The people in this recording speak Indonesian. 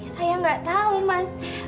saya nggak tahu mas